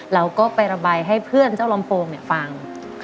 เราก็ไประบายให้เพื่อนเจ้าลำโพงฟัง